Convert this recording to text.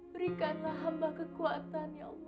berikanlah hamba kekuatan ya allah